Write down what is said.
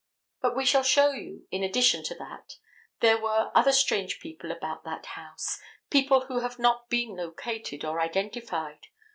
But we shall show you, in addition to that, there were other strange people about that house; people who have not been located or identified.